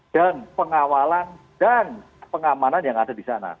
dan pengawalan dan pengamanan yang ada di sana